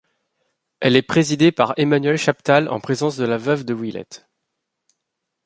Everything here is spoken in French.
Elle est présidée par Emmanuel Chaptal, en présence de la veuve de Willette.